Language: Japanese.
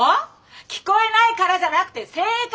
聞こえないからじゃなくて性格！